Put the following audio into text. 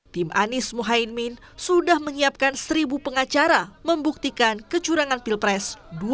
tim anies mohaimin sudah menyiapkan seribu pengacara membuktikan kecurangan pilpres dua ribu dua puluh empat